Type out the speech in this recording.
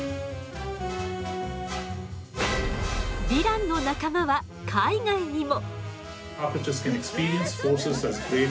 ヴィランの仲間は海外にも！